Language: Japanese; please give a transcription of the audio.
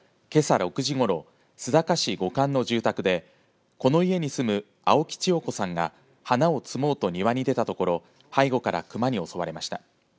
６時ごろ須坂市五閑の住宅でこの家に住む青木千代子さんが花を摘もうと庭に出たところ背後から、クマに襲われました。